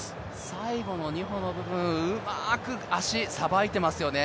最後の２歩の部分うまく足をさばいてますよね